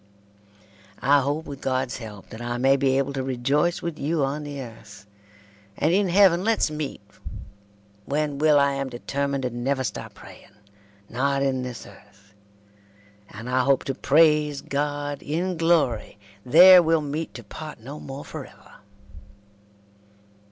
I hope with gods helpe that I may be abble to rejoys with you on the earth and In heaven lets meet when will I am detemnid to nuver stope praying, not in this earth and I hope to praise god In glory there weel meet to part no more forever.